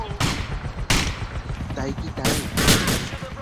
তাই কি তাই?